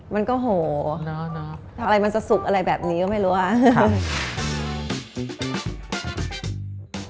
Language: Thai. มันก็โหอะไรมันจะสุกอะไรแบบนี้ก็ไม่รู้ค่ะ